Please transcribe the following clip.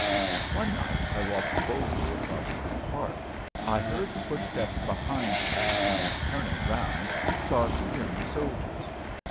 One night I walked boldly across a park. I heard footsteps behind me and, turning around, saw two German soldiers.